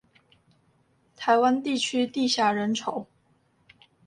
台灣地區地狹人稠